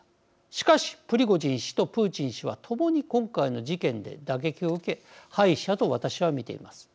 しかしプリゴジン氏とプーチン氏は共に今回の事件で打撃を受け敗者と私は見ています。